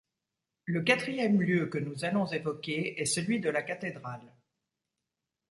Le quatrième lieu que nous allons évoquer est celui de la cathédrale.